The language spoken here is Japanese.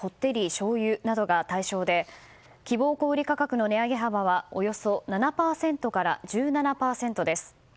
醤油などが対象で希望小売価格の値上げ幅はおよそ７％から１７％です。